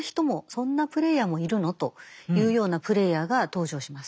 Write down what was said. そんなプレイヤーもいるの？というようなプレイヤーが登場します。